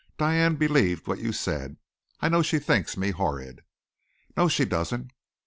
"Diane believed what you said. I know she thinks me horrid." "No she doesn't.